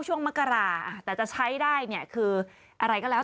มกราแต่จะใช้ได้เนี่ยคืออะไรก็แล้ว